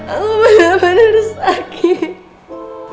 aku bener bener sakit